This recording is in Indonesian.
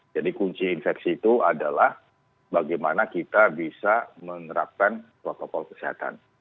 jadi kunci infeksi itu adalah bagaimana kita bisa menerapkan protokol kesehatan